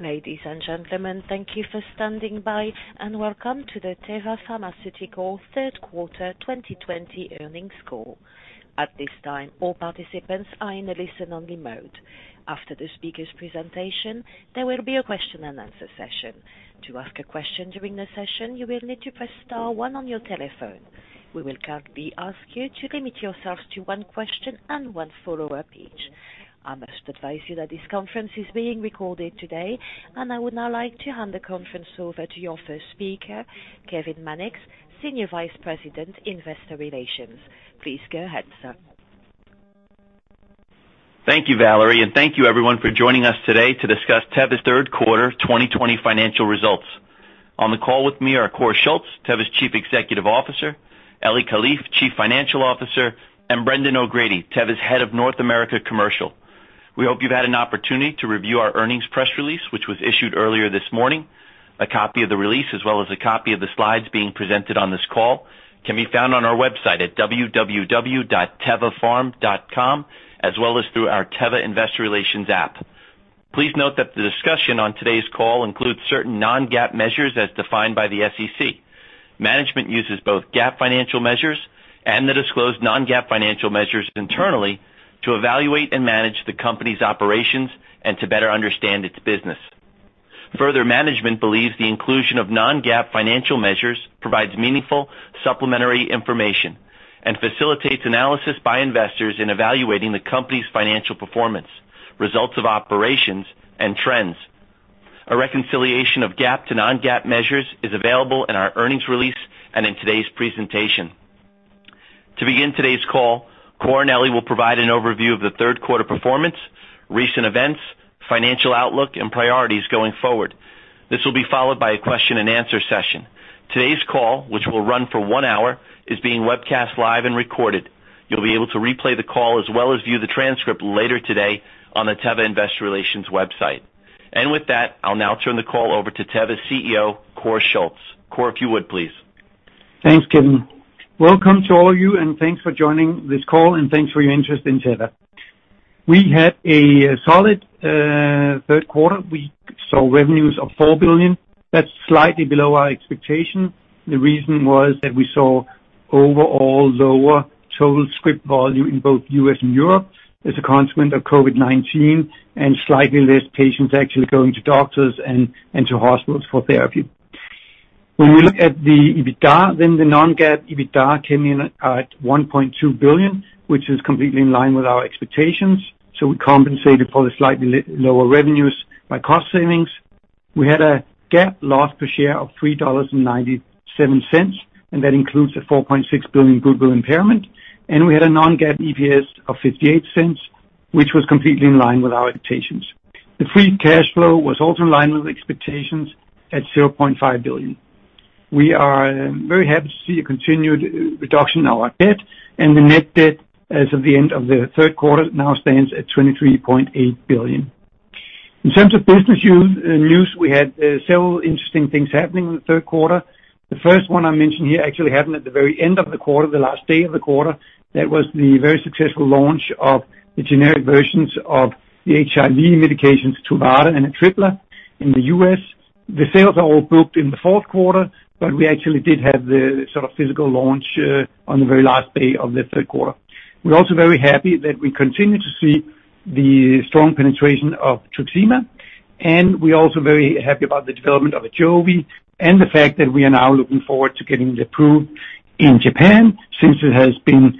Ladies and gentlemen, thank you for standing by, and welcome to the Teva Pharmaceutical Q3 2020 earnings call. At this time, all participants are in a listen-only mode. After the speaker's presentation, there will be a question and answer session. To ask a question during the session, you will need to press star one on your telephone. We will kindly ask you to limit yourself to one question and one follow-up each. I must advise you that this conference is being recorded today. I would now like to hand the conference over to your first speaker, Kevin Mannix, Senior Vice President, Investor Relations. Please go ahead, sir. Thank you, Valerie, and thank you everyone for joining us today to discuss Teva's Q3 2020 financial results. On the call with me are Kåre Schultz, Teva's Chief Executive Officer, Eli Kalif, Chief Financial Officer, and Brendan O'Grady, Teva's Head of North America Commercial. We hope you've had an opportunity to review our earnings press release, which was issued earlier this morning. A copy of the release, as well as a copy of the slides being presented on this call can be found on our website at www.tevapharm.com, as well as through our Teva Investor Relations app. Please note that the discussion on today's call includes certain non-GAAP measures as defined by the SEC. Management uses both GAAP financial measures and the disclosed non-GAAP financial measures internally to evaluate and manage the company's operations and to better understand its business. Further, management believes the inclusion of non-GAAP financial measures provides meaningful supplementary information and facilitates analysis by investors in evaluating the company's financial performance, results of operations, and trends. A reconciliation of GAAP to non-GAAP measures is available in our earnings release and in today's presentation. To begin today's call, Kåre and Eli will provide an overview of the Q3 performance, recent events, financial outlook, and priorities going forward. This will be followed by a question and answer session. Today's call, which will run for one hour, is being webcast live and recorded. You'll be able to replay the call as well as view the transcript later today on the Teva Investor Relations website. With that, I'll now turn the call over to Teva's CEO, Kåre Schultz. Kåre, if you would, please. Thanks, Kevin. Welcome to all of you. Thanks for joining this call. Thanks for your interest in Teva. We had a solid Q3. We saw revenues of $4 billion. That's slightly below our expectation. The reason was that we saw overall lower total script volume in both U.S. and Europe as a consequence of COVID-19. Slightly less patients actually going to doctors and to hospitals for therapy. When we look at the EBITDA, the non-GAAP EBITDA came in at $1.2 billion, which is completely in line with our expectations. We compensated for the slightly lower revenues by cost savings. We had a GAAP loss per share of $3.97. That includes a $4.6 billion goodwill impairment. We had a non-GAAP EPS of $0.58, which was completely in line with our expectations. The free cash flow was also in line with expectations at $0.5 billion. We are very happy to see a continued reduction in our debt, and the net debt as of the end of the Q3 now stands at $23.8 billion. In terms of business news, we had several interesting things happening in the Q3. The first one I mentioned here actually happened at the very end of the quarter, the last day of the quarter. That was the very successful launch of the generic versions of the HIV medications, Truvada and Atripla in the U.S. The sales are all booked in the Q4, but we actually did have the sort of physical launch on the very last day of the Q3. We're also very happy that we continue to see the strong penetration of TRUXIMA, and we're also very happy about the development of AJOVY and the fact that we are now looking forward to getting it approved in Japan, since it has been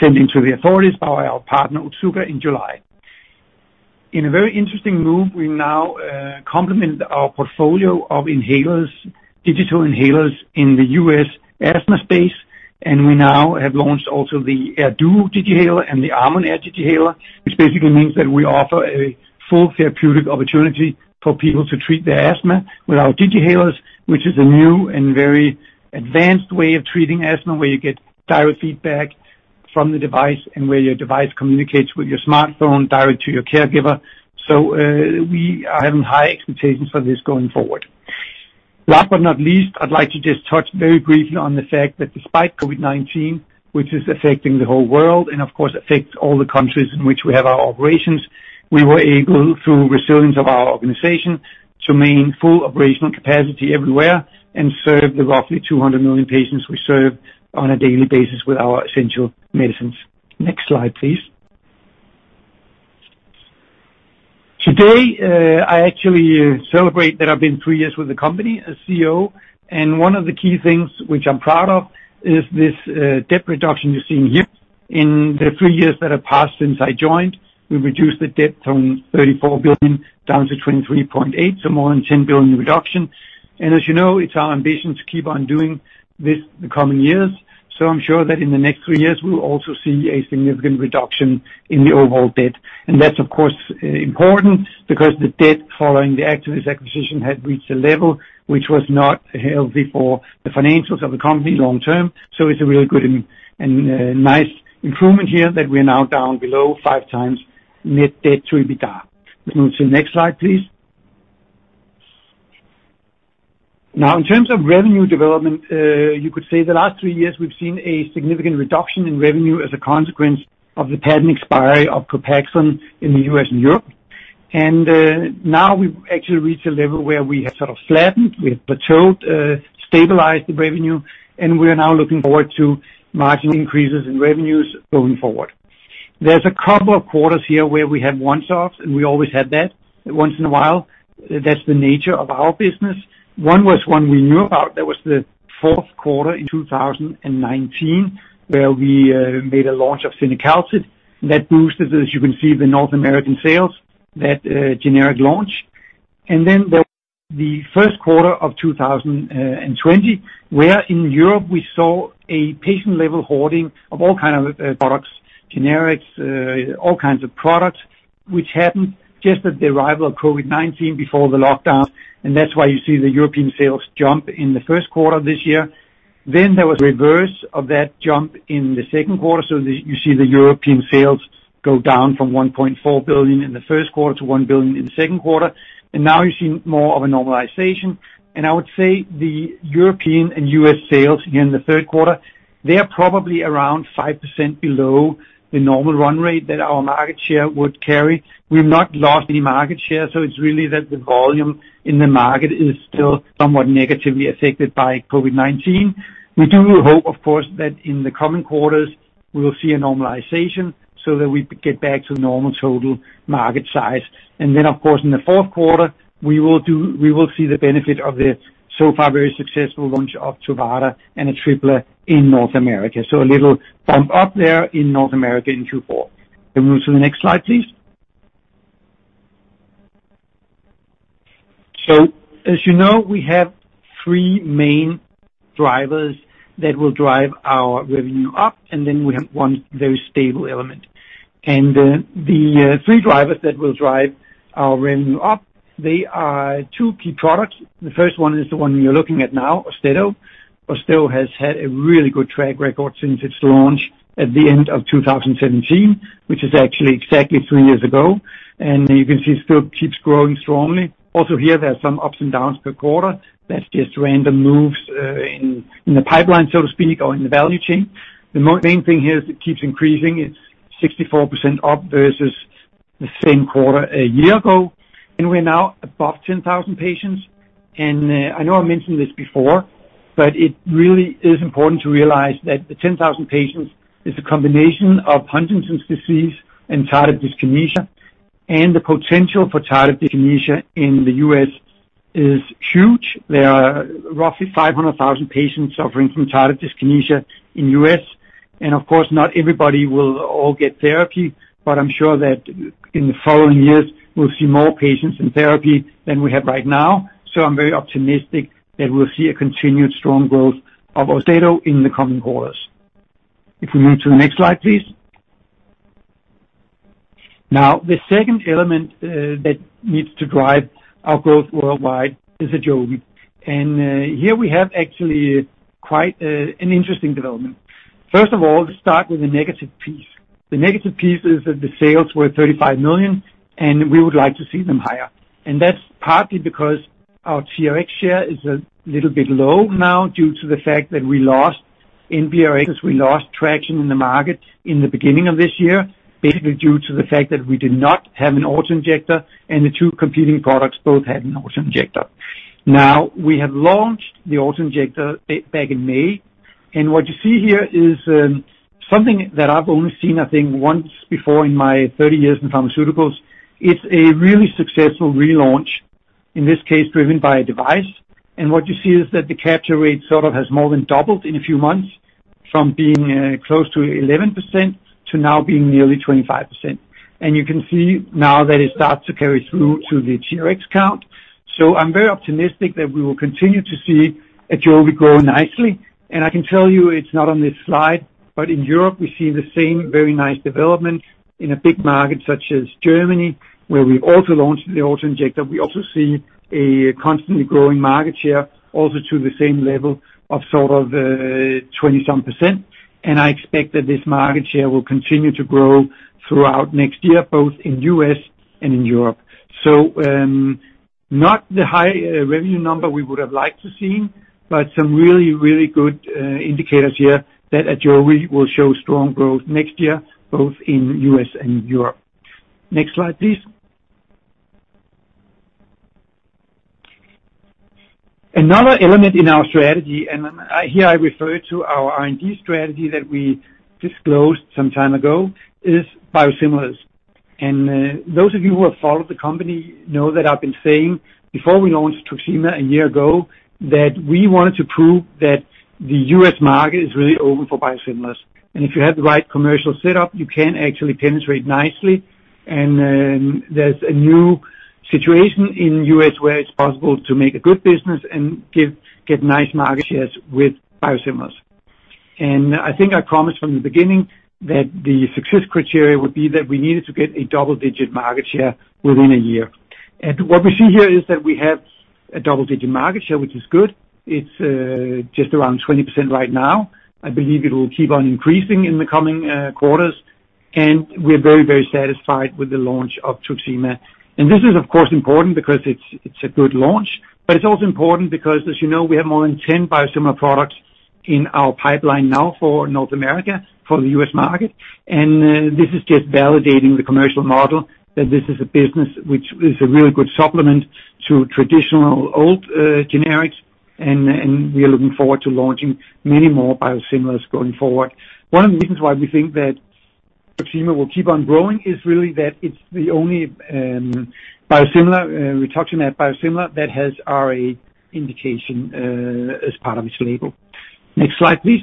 sent in to the authorities by our partner, Otsuka, in July. In a very interesting move, we now complement our portfolio of inhalers, digital inhalers in the U.S. asthma space, and we now have launched also the AirDuo Digihaler and the ArmonAir Digihaler, which basically means that we offer a full therapeutic opportunity for people to treat their asthma with our digital inhalers, which is a new and very advanced way of treating asthma, where you get direct feedback from the device and where your device communicates with your smartphone direct to your caregiver. We are having high expectations for this going forward. Last but not least, I'd like to just touch very briefly on the fact that despite COVID-19, which is affecting the whole world and, of course, affects all the countries in which we have our operations, we were able, through resilience of our organization, to maintain full operational capacity everywhere and serve the roughly 200 million patients we serve on a daily basis with our essential medicines. Next slide, please. Today, I actually celebrate that I've been three years with the company as CEO, and one of the key things which I'm proud of is this debt reduction you're seeing here. In the three years that have passed since I joined, we've reduced the debt from $34 billion down to $23.8, so more than $10 billion reduction. As you know, it's our ambition to keep on doing this in the coming years. I'm sure that in the next three years, we will also see a significant reduction in the overall debt. That's, of course, important because the debt following the Actavis acquisition had reached a level which was not healthy for the financials of the company long term. It's a really good and nice improvement here that we're now down below five times net debt to EBITDA. Let's move to the next slide, please. In terms of revenue development, you could say the last three years we've seen a significant reduction in revenue as a consequence of the patent expiry of Copaxone in the U.S. and Europe. We've actually reached a level where we have sort of flattened, we have plateaued, stabilized the revenue, and we are now looking forward to marginal increases in revenues going forward. There's a couple of quarters here where we had once-offs, and we always had that once in a while. That's the nature of our business. One was one we knew about, that was the Q4 in 2019, where we made a launch of [Sinequan] that boosted, as you can see, the North American sales, that generic launch. The Q1 of 2020, where in Europe we saw a patient-level hoarding of all kind of products, generics, all kinds of products, which happened just at the arrival of COVID-19 before the lockdowns, and that's why you see the European sales jump in the Q1 of this year. There was a reverse of that jump in the Q2, so you see the European sales go down from $1.4 billion in the Q1 to $1 billion in the Q2. Now you're seeing more of a normalization. I would say the European and U.S. sales here in the Q3, they are probably around 5% below the normal run rate that our market share would carry. We've not lost any market share, so it's really that the volume in the market is still somewhat negatively affected by COVID-19. We do hope, of course, that in the coming quarters, we will see a normalization so that we get back to normal total market size. Then, of course, in the Q4, we will see the benefit of the so far very successful launch of AJOVY and TRUXIMA in North America. A little bump up there in North America in Q4. Can we move to the next slide, please? As you know, we have three main drivers that will drive our revenue up, and then we have one very stable element. The three drivers that will drive our revenue up, they are two key products. The first one is the one you're looking at now, AUSTEDO. AUSTEDO has had a really good track record since its launch at the end of 2017, which is actually exactly three years ago. You can see it still keeps growing strongly. Also here, there are some ups and downs per quarter. That's just random moves in the pipeline, so to speak, or in the value chain. The main thing here is it keeps increasing. It's 64% up versus the same quarter a year ago, and we're now above 10,000 patients. I know I mentioned this before, but it really is important to realize that the 10,000 patients is a combination of Huntington's disease and tardive dyskinesia. The potential for tardive dyskinesia in the U.S. is huge. There are roughly 500,000 patients suffering from tardive dyskinesia in U.S., and of course, not everybody will all get therapy, but I'm sure that in the following years, we'll see more patients in therapy than we have right now. I'm very optimistic that we'll see a continued strong growth of AUSTEDO in the coming quarters. If we move to the next slide, please. Now, the second element that needs to drive our growth worldwide is AJOVY. Here we have actually quite an interesting development. First of all, let's start with the negative piece. The negative piece is that the sales were 35 million, and we would like to see them higher. That's partly because our TRx share is a little bit low now due to the fact that we lost in NBRx, we lost traction in the market in the beginning of this year, basically due to the fact that we did not have an auto-injector, and the two competing products both had an auto-injector. Now, we have launched the auto-injector back in May, and what you see here is something that I've only seen, I think, once before in my 30 years in pharmaceuticals. It's a really successful relaunch, in this case, driven by a device. What you see is that the capture rate sort of has more than doubled in a few months from being close to 11% to now being nearly 25%. You can see now that it starts to carry through to the TRx count. I'm very optimistic that we will continue to see AJOVY grow nicely. I can tell you, it's not on this slide, but in Europe, we see the same very nice development in a big market such as Germany, where we also launched the auto-injector. We also see a constantly growing market share also to the same level of sort of 20-some%. I expect that this market share will continue to grow throughout next year, both in U.S. and in Europe. Not the high revenue number we would have liked to seen, but some really, really good indicators here that AJOVY will show strong growth next year, both in U.S. and Europe. Next slide, please. Another element in our strategy, here I refer to our R&D strategy that we disclosed some time ago, is biosimilars. Those of you who have followed the company know that I've been saying before we launched TRUXIMA a year ago, that we wanted to prove that the U.S. market is really open for biosimilars. If you have the right commercial setup, you can actually penetrate nicely. There's a new situation in U.S. where it's possible to make a good business and get nice market shares with biosimilars. I think I promised from the beginning that the success criteria would be that we needed to get a double-digit market share within a year. What we see here is that we have a double-digit market share, which is good. It's just around 20% right now. I believe it will keep on increasing in the coming quarters. We're very, very satisfied with the launch of TRUXIMA. This is, of course, important because it's a good launch, but it's also important because, as you know, we have more than 10 biosimilar products in our pipeline now for North America, for the U.S. market. This is just validating the commercial model that this is a business which is a really good supplement to traditional old generics, and we are looking forward to launching many more biosimilars going forward. One of the reasons why we think that TRUXIMA will keep on growing is really that it's the only rituximab biosimilar that has RA indication as part of its label. Next slide, please.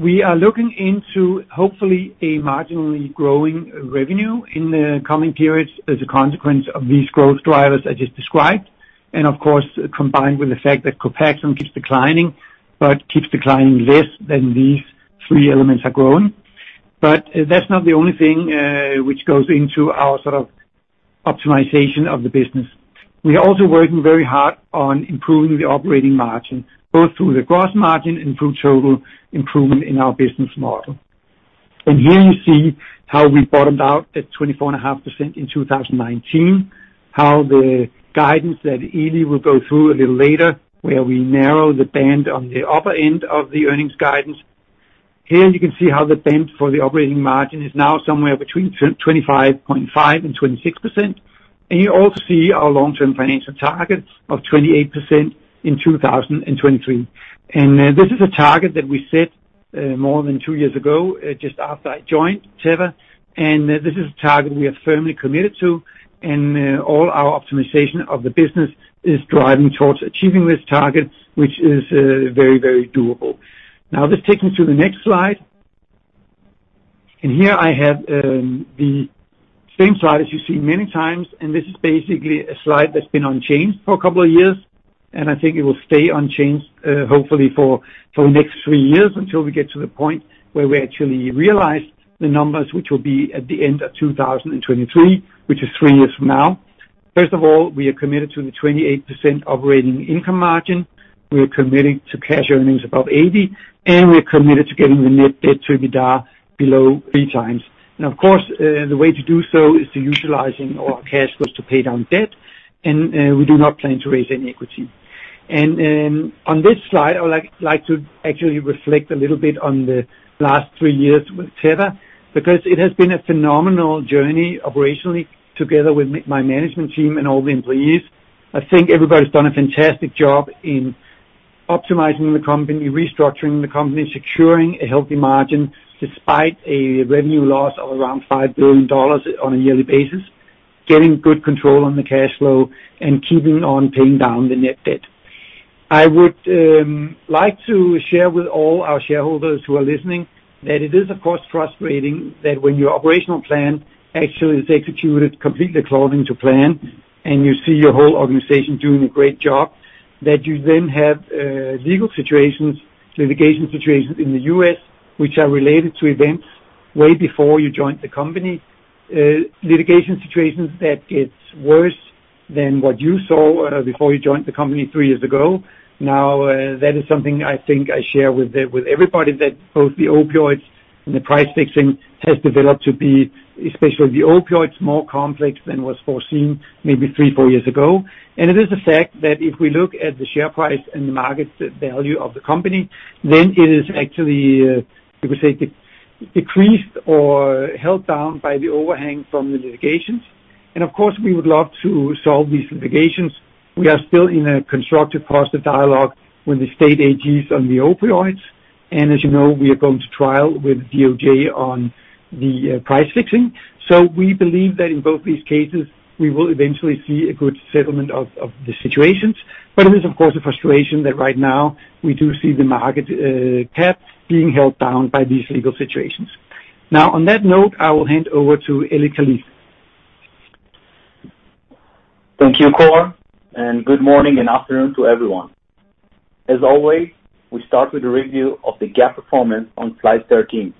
We are looking into, hopefully, a marginally growing revenue in the coming periods as a consequence of these growth drivers I just described. Of course, combined with the fact that Copaxone keeps declining, but keeps declining less than these three elements are growing. That's not the only thing which goes into our sort of optimization of the business. We are also working very hard on improving the operating margin, both through the gross margin and through total improvement in our business model. Here you see how we bottomed out at 24.5% in 2019, how the guidance that Eli will go through a little later, where we narrow the band on the upper end of the earnings guidance. Here you can see how the band for the operating margin is now somewhere between 25.5%-26%. You also see our long-term financial targets of 28% in 2023. This is a target that we set more than two years ago, just after I joined Teva. This is a target we are firmly committed to. All our optimization of the business is driving towards achieving this target, which is very doable. Now, this takes me to the next slide. Here I have the same slide as you've seen many times. This is basically a slide that's been unchanged for a couple of years. I think it will stay unchanged hopefully for the next three years until we get to the point where we actually realize the numbers, which will be at the end of 2023, which is three years from now. First of all, we are committed to the 28% operating income margin, we are committed to cash earnings above 80, and we are committed to getting the net debt to EBITDA below three times. We do not plan to raise any equity. On this slide, I would like to actually reflect a little bit on the last 3 years with Teva, because it has been a phenomenal journey operationally together with my management team and all the employees. I think everybody's done a fantastic job in optimizing the company, restructuring the company, securing a healthy margin despite a revenue loss of around $5 billion on a yearly basis, getting good control on the cash flow and keeping on paying down the net debt. I would like to share with all our shareholders who are listening that it is, of course, frustrating that when your operational plan actually is executed completely according to plan and you see your whole organization doing a great job, that you then have legal situations, litigation situations in the U.S. which are related to events way before you joined the company, litigation situations that gets worse than what you saw before you joined the company three years ago. That is something I think I share with everybody that both the opioids and the price fixing has developed to be, especially the opioids, more complex than was foreseen maybe three, four years ago. It is a fact that if we look at the share price and the market value of the company, then it is actually, you could say, decreased or held down by the overhang from the litigations. Of course, we would love to solve these litigations. We are still in a constructive positive dialogue with the state AGs on the opioids. As you know, we are going to trial with DOJ on the price fixing. We believe that in both these cases, we will eventually see a good settlement of the situations. It is, of course, a frustration that right now we do see the market cap being held down by these legal situations. On that note, I will hand over to Eli Kalif. Thank you, Kåre. Good morning and afternoon to everyone. As always, we start with a review of the GAAP performance on slide 13.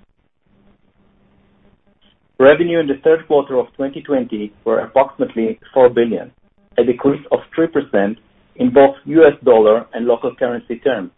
Revenue in the Q3 of 2020 were approximately $4 billion, a decrease of 3% in both U.S. dollar and local currency terms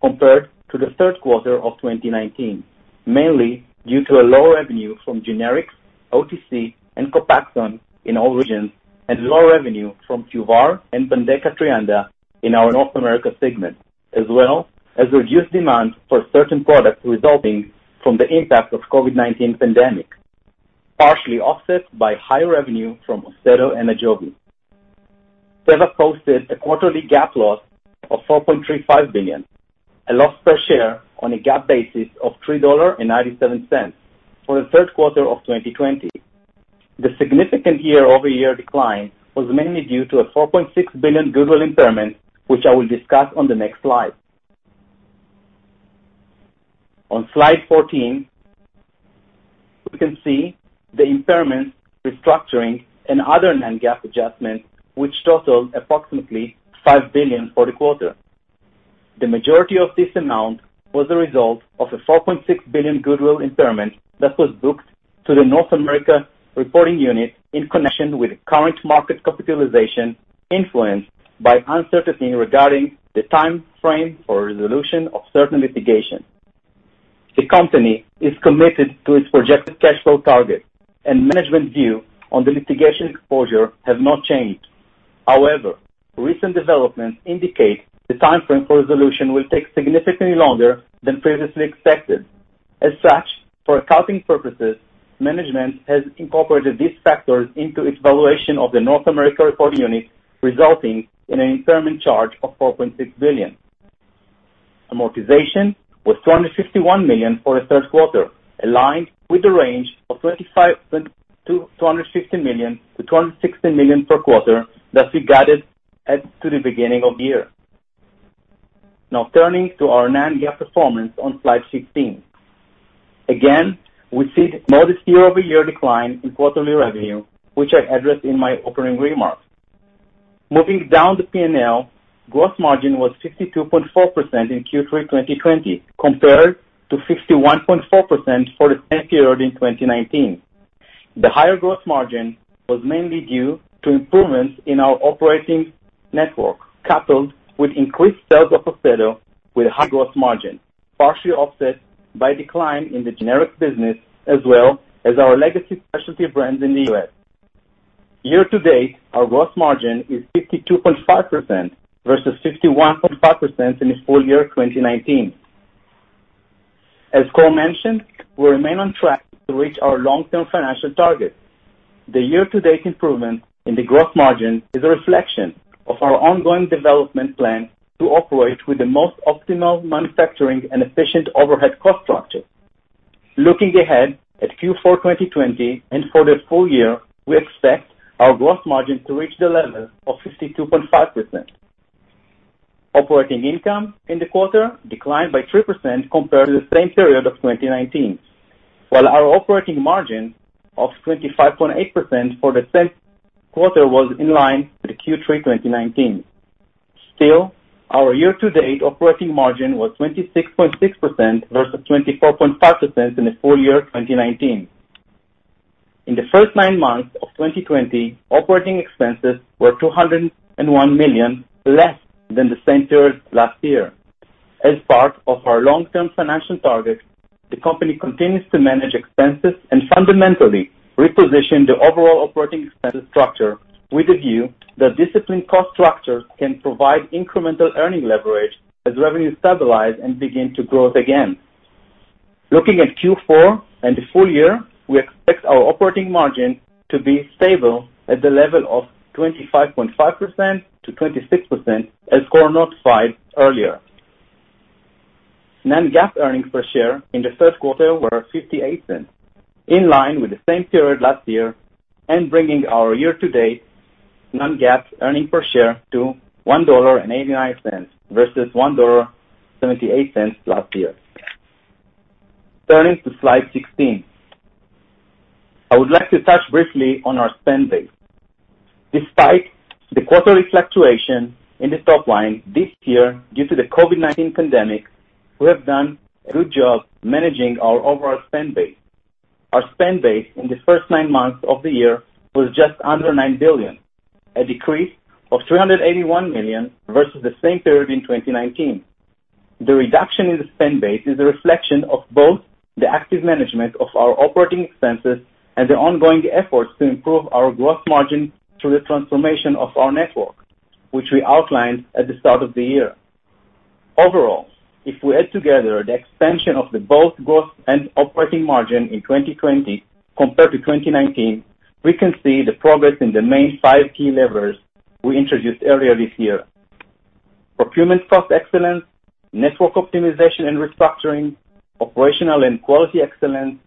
compared to the Q3 of 2019, mainly due to lower revenue from generics, OTC, and Copaxone in all regions, and lower revenue from QVAR and BENDEKA/TREANDA in our North America segment, as well as reduced demand for certain products resulting from the impact of COVID-19 pandemic, partially offset by higher revenue from [Otezla] and AJOVY. Teva posted a quarterly GAAP loss of $4.35 billion, a loss per share on a GAAP basis of $3.97 for the Q3 of 2020. The significant year-over-year decline was mainly due to a $4.6 billion goodwill impairment, which I will discuss on the next slide. On slide 14, we can see the impairment, restructuring, and other non-GAAP adjustments, which totaled approximately $5 billion for the quarter. The majority of this amount was a result of a $4.6 billion goodwill impairment that was booked to the North America reporting unit in connection with current market capitalization influenced by uncertainty regarding the timeframe for resolution of certain litigation. The company is committed to its projected cash flow target, and management view on the litigation exposure has not changed. However, recent developments indicate the timeframe for resolution will take significantly longer than previously expected. As such, for accounting purposes, management has incorporated these factors into its valuation of the North America reporting unit, resulting in an impairment charge of $4.6 billion. Amortization was $251 million for the Q3, aligned with the range of $250 million-$260 million per quarter that we guided at to the beginning of the year. Now turning to our non-GAAP performance on slide sixteen. Again, we see modest year-over-year decline in quarterly revenue, which I addressed in my opening remarks. Moving down the P&L, gross margin was 62.4% in Q3 2020 compared to 61.4% for the same period in 2019. The higher gross margin was mainly due to improvements in our operating network, coupled with increased sales of AUSTEDO with high gross margin, partially offset by decline in the generic business as well as our legacy specialty brands in the U.S. Year-to-date, our gross margin is 62.5% versus 61.5% in the full year 2019. As Kåre mentioned, we remain on track to reach our long-term financial targets. The year-to-date improvement in the gross margin is a reflection of our ongoing development plan to operate with the most optimal manufacturing and efficient overhead cost structure. Looking ahead at Q4 2020 and for the full year, we expect our gross margin to reach the level of 62.5%. Operating income in the quarter declined by 3% compared to the same period of 2019. While our operating margin of 25.8% for the quarter was in line with Q3 2019. Still, our year-to-date operating margin was 26.6% versus 24.5% in the full year 2019. In the first nine months of 2020, operating expenses were $201 million less than the same period last year. As part of our long-term financial targets, the company continues to manage expenses and fundamentally reposition the overall operating expense structure with a view that disciplined cost structure can provide incremental earnings leverage as revenues stabilize and begin to grow again. Looking at Q4 and the full year, we expect our operating margin to be stable at the level of 25.5%-26%, as Kåre notified earlier. Non-GAAP earnings per share in the Q3 were $0.58, in line with the same period last year and bringing our year-to-date non-GAAP earnings per share to $1.89 versus $1.78 last year. Turning to slide sixteen. I would like to touch briefly on our spend base. Despite the quarterly fluctuation in the top line this year, due to the COVID-19 pandemic, we have done a good job managing our overall spend base. Our spend base in the first nine months of the year was just under $9 billion, a decrease of $381 million versus the same period in 2019. The reduction in the spend base is a reflection of both the active management of our operating expenses and the ongoing efforts to improve our gross margin through the transformation of our network, which we outlined at the start of the year. Overall, if we add together the expansion of the both gross and operating margin in 2020 compared to 2019, we can see the progress in the main five key levers we introduced earlier this year. Procurement cost excellence, network optimization and restructuring, operational and quality excellence,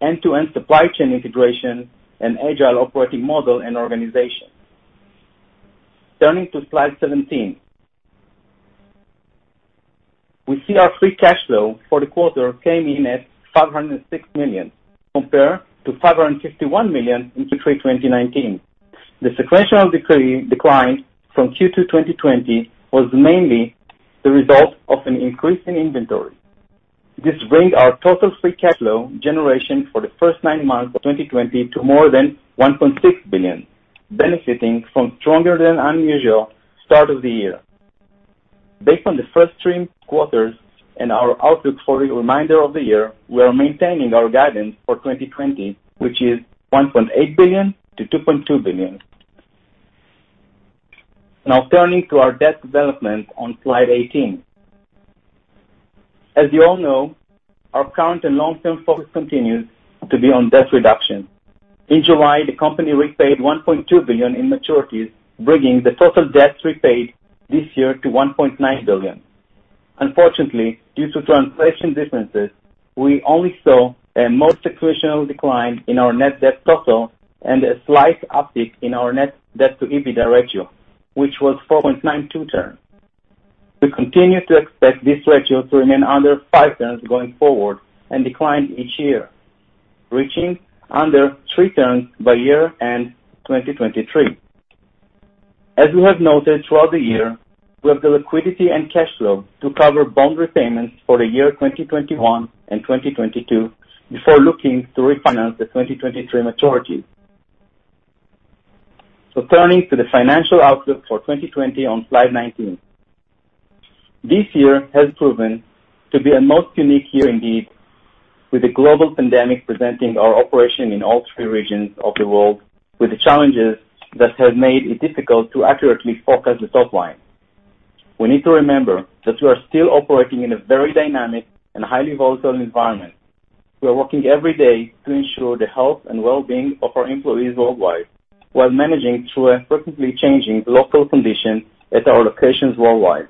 end-to-end supply chain integration, and agile operating model and organization. Turning to slide 17. We see our free cash flow for the quarter came in at $506 million, compared to $551 million in Q3 2019. The sequential decline from Q2 2020 was mainly the result of an increase in inventory. This brings our total free cash flow generation for the first nine months of 2020 to more than $1.6 billion, benefiting from stronger than unusual start of the year. Based on the first three quarters and our outlook for the remainder of the year, we are maintaining our guidance for 2020, which is $1.8 billion-$2.2 billion. Turning to our debt development on slide 18. As you all know, our current and long-term focus continues to be on debt reduction. In July, the company repaid $1.2 billion in maturities, bringing the total debt repaid this year to $1.9 billion. Unfortunately, due to translation differences, we only saw a more sequential decline in our net debt total and a slight uptick in our net debt to EBITDA ratio, which was 4.92 terms. We continue to expect this ratio to remain under five terms going forward and decline each year, reaching under three terms by year-end 2023. As we have noted throughout the year, we have the liquidity and cash flow to cover bond repayments for the year 2021 and 2022 before looking to refinance the 2023 maturities. Turning to the financial outlook for 2020 on slide 19. This year has proven to be a most unique year indeed, with the global pandemic presenting our operation in all three regions of the world with the challenges that have made it difficult to accurately forecast the top line. We need to remember that we are still operating in a very dynamic and highly volatile environment. We are working every day to ensure the health and wellbeing of our employees worldwide while managing through a frequently changing local condition at our locations worldwide.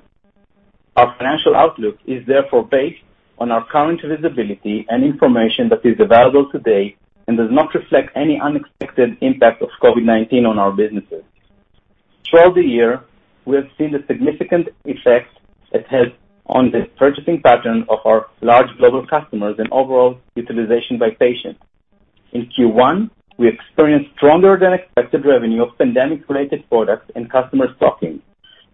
Our financial outlook is therefore based on our current visibility and information that is available today and does not reflect any unexpected impact of COVID-19 on our businesses. Throughout the year, we have seen the significant effect it has on the purchasing pattern of our large global customers and overall utilization by patients. In Q1, we experienced stronger than expected revenue of pandemic-related products and customer stocking.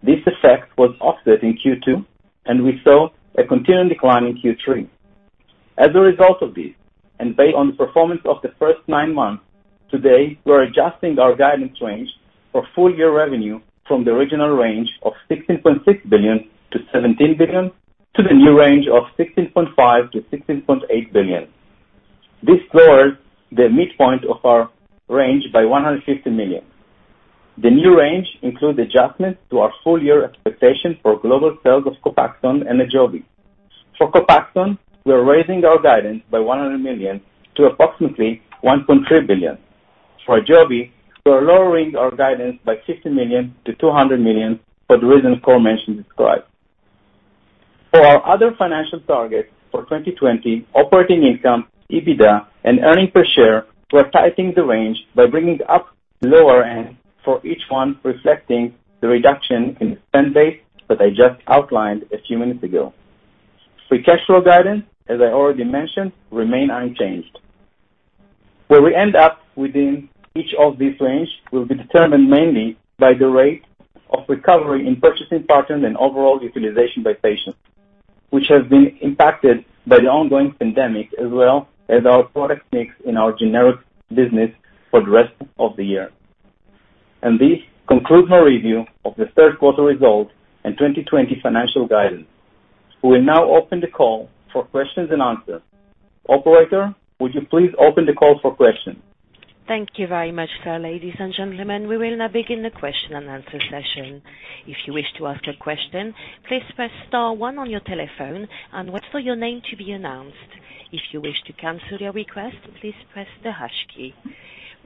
This effect was offset in Q2, and we saw a continuing decline in Q3. As a result of this, and based on the performance of the first nine months, today, we're adjusting our guidance range for full-year revenue from the original range of $16.6 billion-$17 billion to the new range of $16.5 billion-$16.8 billion. This lowers the midpoint of our range by $150 million. The new range includes adjustments to our full-year expectation for global sales of Copaxone and AJOVY. For Copaxone, we are raising our guidance by $100 million to approximately $1.3 billion. For AJOVY, we are lowering our guidance by $50 million to $200 million for the reasons Kåre mentioned described. For our other financial targets for 2020, operating income, EBITDA, and earnings per share, we're tightening the range by bringing up lower end for each one, reflecting the reduction in spend base that I just outlined a few minutes ago. Free cash flow guidance, as I already mentioned, remain unchanged. Where we end up within each of these range will be determined mainly by the rate of recovery in purchasing pattern and overall utilization by patients, which has been impacted by the ongoing pandemic, as well as our product mix in our generic business for the rest of the year. This concludes my review of the Q3 results and 2020 financial guidance. We will now open the call for questions and answers. Operator, would you please open the call for questions? Thank you very much, sir. Ladies and gentlemen, we will now begin the question and answer session. If you wish to ask a question, please press star one on your telephone and wait for your name to be announced. If you wish to cancel your request, please press the hash key.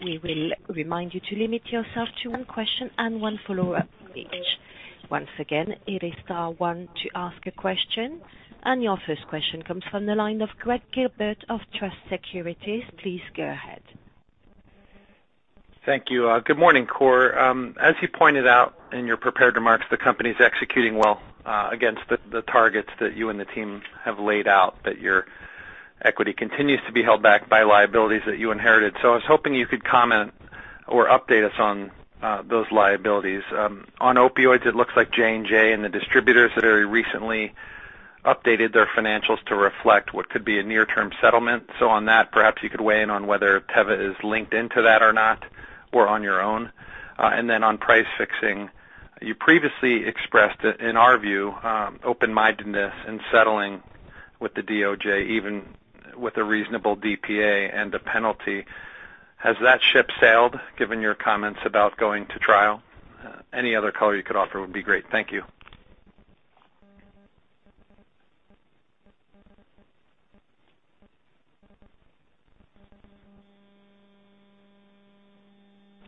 We will remind you to limit yourself to one question and one follow-up each. Once again, it is star one to ask a question. Your first question comes from the line of Greg Gilbert of Truist Securities. Please go ahead. Thank you. Good morning, Kåre. As you pointed out in your prepared remarks, the company's executing well against the targets that you and the team have laid out, Your equity continues to be held back by liabilities that you inherited. I was hoping you could comment or update us on those liabilities. On opioids, it looks like J&J and the distributors have very recently updated their financials to reflect what could be a near-term settlement. On that, perhaps you could weigh in on whether Teva is linked into that or not, or on your own. On price fixing, you previously expressed, in our view, open-mindedness in settling with the DOJ, even with a reasonable DPA and a penalty. Has that ship sailed given your comments about going to trial? Any other color you could offer would be great. Thank you.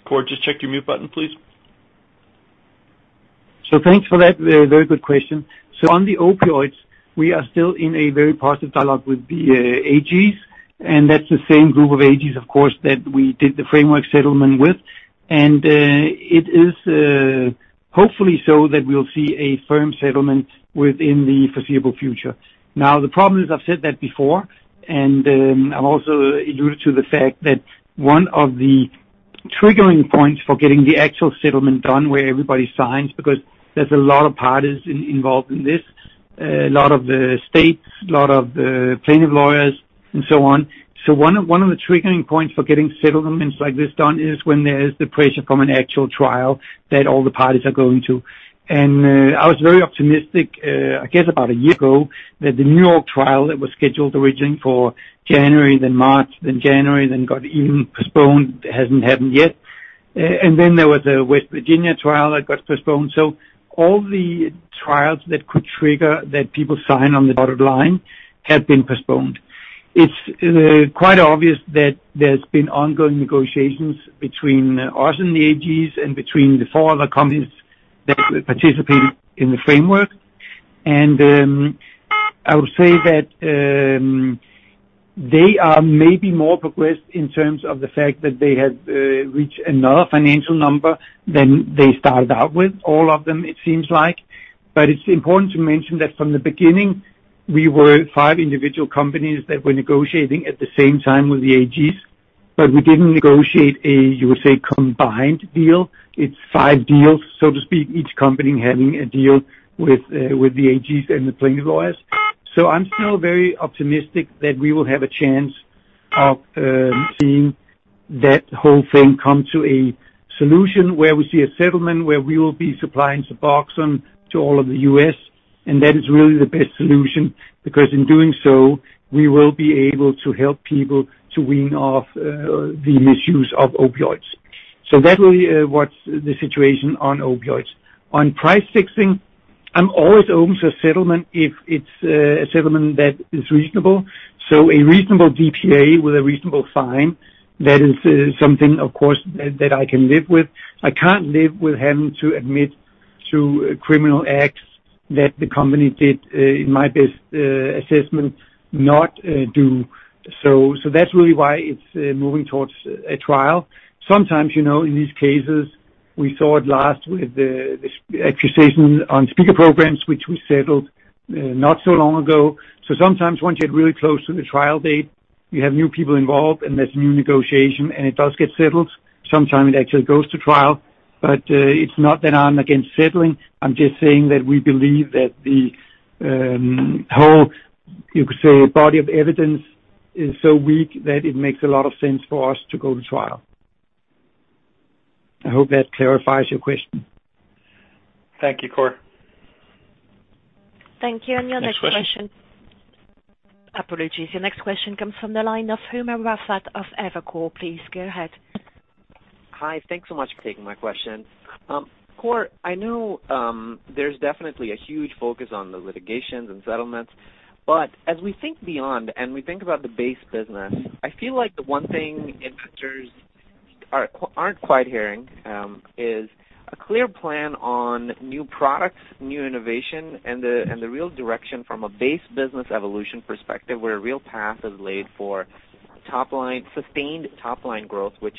Kåre, just check your mute button, please. Thanks for that. Very good question. On the opioids, we are still in a very positive dialogue with the AGs, and that's the same group of AGs, of course, that we did the framework settlement with. It is, hopefully so that we'll see a firm settlement within the foreseeable future. The problem is, I've said that before, and I've also alluded to the fact that one of the triggering points for getting the actual settlement done where everybody signs, because there's a lot of parties involved in this, a lot of the states, a lot of the plaintiff lawyers and so on. One of the triggering points for getting settlements like this done is when there is the pressure from an actual trial that all the parties are going to. I was very optimistic, I guess about a year ago, that the New York trial that was scheduled originally for January, then March, then January, then got even postponed, hasn't happened yet. There was a West Virginia trial that got postponed. All the trials that could trigger that people sign on the dotted line have been postponed. It's quite obvious that there's been ongoing negotiations between us and the AGs and between the four other companies that participated in the framework. I would say that they are maybe more progressed in terms of the fact that they have reached another financial number than they started out with, all of them, it seems like. It's important to mention that from the beginning, we were five individual companies that were negotiating at the same time with the AGs. We didn't negotiate a, you would say, combined deal. It's five deals, so to speak, each company having a deal with the AGs and the plaintiffs' lawyers. I'm still very optimistic that we will have a chance of seeing that whole thing come to a solution where we see a settlement, where we will be supplying SUBOXONE to all of the U.S., and that is really the best solution, because in doing so, we will be able to help people to wean off the misuse of opioids. That really what's the situation on opioids. On price fixing, I'm always open to a settlement if it's a settlement that is reasonable. A reasonable DPA with a reasonable fine, that is something, of course, that I can live with. I can't live with having to admit to criminal acts that the company did, in my best assessment, not do. That's really why it's moving towards a trial. Sometimes, in these cases, we saw it last with the accusations on speaker programs, which we settled not so long ago. Sometimes once you get really close to the trial date, you have new people involved, and there's new negotiation, and it does get settled. Sometimes it actually goes to trial. It's not that I'm against settling. I'm just saying that we believe that the whole, you could say, body of evidence is so weak that it makes a lot of sense for us to go to trial. I hope that clarifies your question. Thank you, Kåre. Thank you. Your next question. Next question. Apologies. Your next question comes from the line of Umer Raffat of Evercore. Please go ahead. Hi. Thanks so much for taking my question. Kåre, I know there's definitely a huge focus on the litigations and settlements, but as we think beyond and we think about the base business, I feel like the one thing investors aren't quite hearing is a clear plan on new products, new innovation, and the real direction from a base business evolution perspective where a real path is laid for sustained top-line growth, which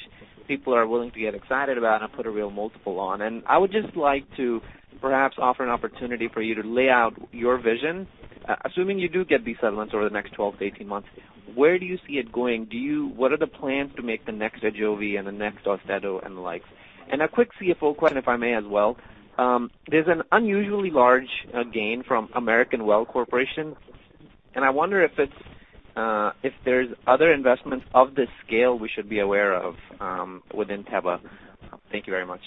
people are willing to get excited about and put a real multiple on. I would just like to perhaps offer an opportunity for you to lay out your vision. Assuming you do get these settlements over the next 12 to 18 months, where do you see it going? What are the plans to make the next AJOVY and the next AUSTEDO and the like? A quick CFO question, if I may, as well. There's an unusually large gain from American Well Corporation, and I wonder if there's other investments of this scale we should be aware of within Teva. Thank you very much.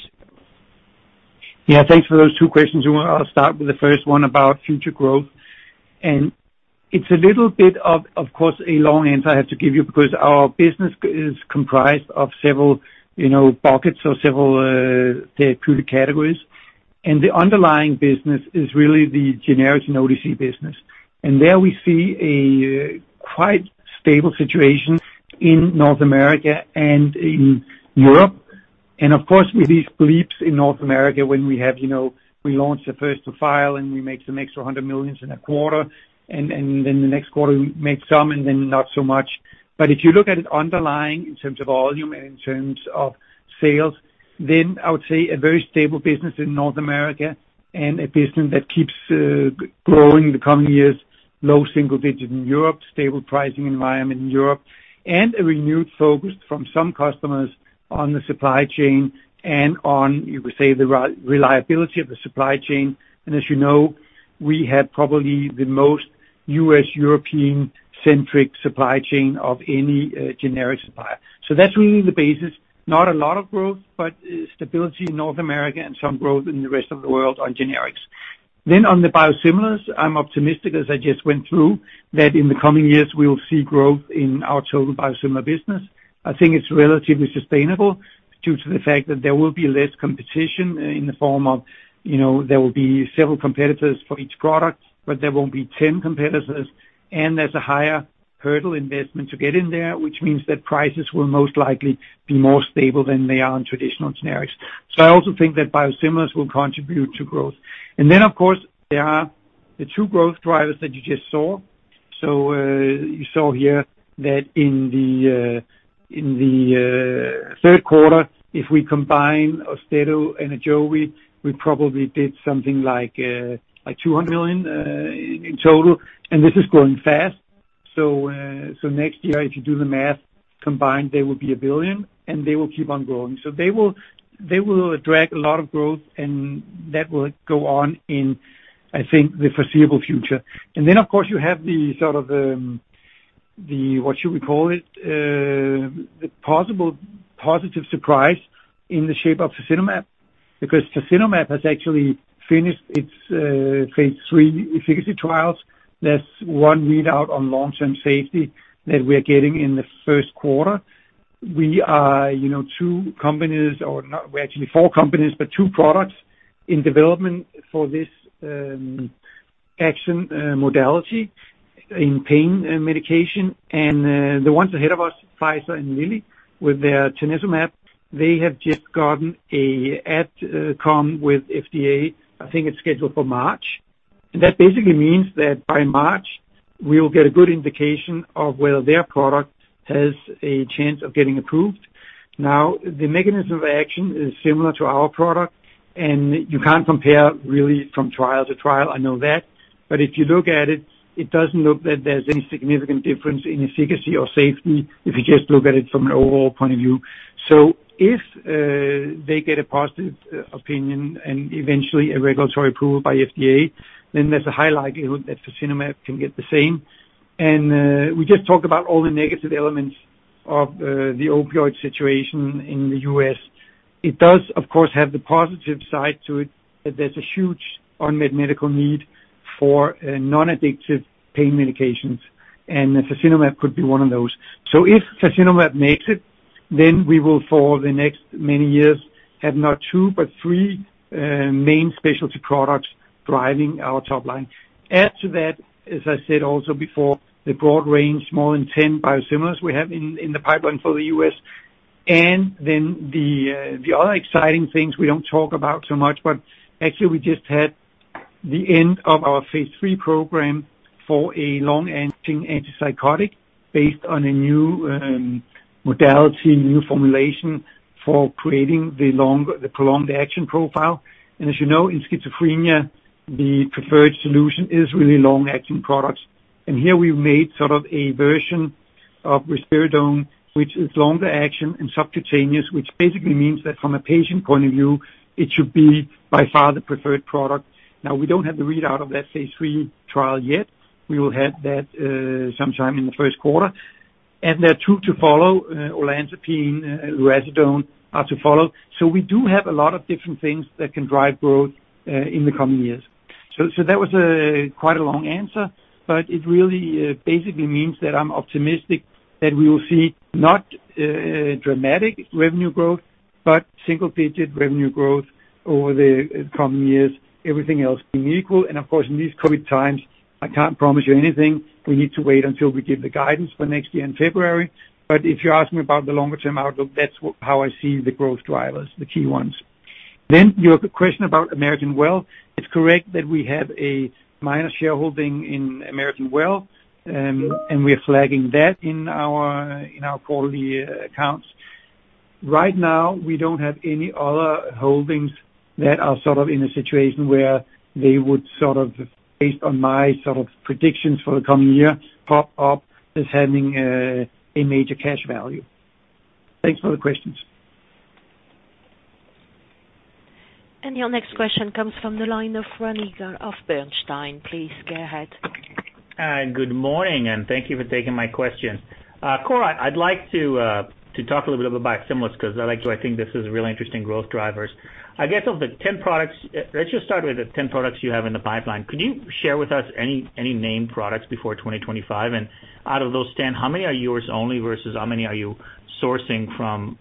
Yeah. Thanks for those two questions. I'll start with the first one about future growth. It's a little bit, of course, a long answer I have to give you because our business is comprised of several buckets or several therapeutic categories, and the underlying business is really the generics and OTC business. There we see a quite stable situation in North America and in Europe. Of course, with these bleeps in North America, when we launch the first to file and we make some extra $100 million in a quarter, and then the next quarter we make some, and then not so much. If you look at it underlying in terms of volume and in terms of sales, I would say a very stable business in North America and a business that keeps growing in the coming years, low single digits in Europe, stable pricing environment in Europe, and a renewed focus from some customers on the supply chain and on, you could say, the reliability of the supply chain. As you know, we have probably the most U.S., European-centric supply chain of any generics buyer. That's really the basis. Not a lot of growth, but stability in North America and some growth in the rest of the world on generics. On the biosimilars, I'm optimistic, as I just went through, that in the coming years we will see growth in our total biosimilar business. I think it's relatively sustainable due to the fact that there will be less competition in the form of, there will be several competitors for each product, but there won't be 10 competitors. There's a higher hurdle investment to get in there, which means that prices will most likely be more stable than they are on traditional generics. I also think that biosimilars will contribute to growth. Of course, there are the two growth drivers that you just saw. You saw here that in the Q3, if we combine AUSTEDO and AJOVY, we probably did something like $200 million in total, and this is growing fast. Next year, if you do the math, combined, they will be $1 billion, and they will keep on growing. They will drag a lot of growth, and that will go on in, I think, the foreseeable future. Then, of course, you have the, what should we call it? The possible positive surprise in the shape of fasinumab, because fasinumab has actually finished its phase III efficacy trials. There's one readout on long-term safety that we're getting in the Q1. We are two companies, or we're actually four companies, but two products in development for this action modality in pain medication. The ones ahead of us, Pfizer and Lilly, with their tanezumab, they have just gotten a AdCom with FDA. I think it's scheduled for March. That basically means that by March, we will get a good indication of whether their product has a chance of getting approved. The mechanism of action is similar to our product, and you can't compare really from trial to trial, I know that. If you look at it doesn't look that there's any significant difference in efficacy or safety if you just look at it from an overall point of view. If they get a positive opinion and eventually a regulatory approval by FDA, there's a highlight that fasinumab can get the same. We just talked about all the negative elements of the opioid situation in the U.S. It does, of course, have the positive side to it, that there's a huge unmet medical need for non-addictive pain medications, and fasinumab could be one of those. If [inaudible] makes it, then we will, for the next many years, have not two, but three main specialty products driving our top line. Add to that, as I said also before, the broad range, more than 10 biosimilars we have in the pipeline for the U.S. The other exciting things we don't talk about so much, but actually, we just had the end of our phase III program for a long-acting antipsychotic based on a new modality, new formulation for creating the prolonged action profile. As you know, in schizophrenia, the preferred solution is really long-acting products. Here we've made sort of a version of risperidone which is longer action and subcutaneous, which basically means that from a patient point of view, it should be by far the preferred product. We don't have the readout of that phase III trial yet. We will have that sometime in the Q1. There are two to follow, olanzapine, lurasidone are to follow. We do have a lot of different things that can drive growth in the coming years. That was quite a long answer, but it really basically means that I'm optimistic that we will see not dramatic revenue growth, but single-digit revenue growth over the coming years, everything else being equal. Of course, in these COVID times, I can't promise you anything. We need to wait until we give the guidance for next year in February. If you ask me about the longer-term outlook, that's how I see the growth drivers, the key ones. You have a question about American Well. It's correct that we have a minor shareholding in American Well, and we are flagging that in our quarterly accounts. Right now, we don't have any other holdings that are sort of in a situation where they would sort of, based on my sort of predictions for the coming year, pop up as having a major cash value. Thanks for the questions. Your next question comes from the line of Ronny Gal of Bernstein. Please go ahead. Good morning, and thank you for taking my question. Kåre, I'd like to talk a little bit about biosimilars because I think this is a really interesting growth drivers. I guess of the 10 products, let's just start with the 10 products you have in the pipeline. Could you share with us any name products before 2025? Out of those 10, how many are yours only versus how many are you sourcing from